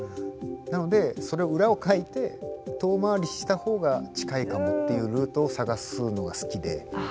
なのでその裏をかいて遠回りした方が近いかもっていうルートを探すのが好きで。